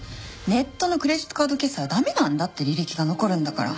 ネットのクレジットカード決済は駄目なんだって履歴が残るんだから。